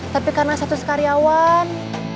tapi karena status karyawan